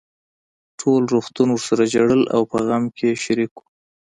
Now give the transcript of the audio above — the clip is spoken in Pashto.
ټول روغتون ورسره ژړل او په غم کې يې شريک وو.